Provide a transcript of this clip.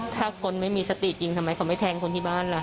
ถ้าคนไม่มีสติยิงทำไมเขาไม่แทงคนที่บ้านล่ะ